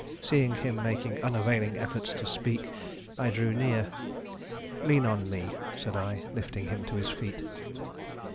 Seeing him making unavailing efforts to speak, I drew near. "Lean on me," said I, lifting him to his feet.